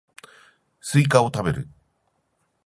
スイカを食べる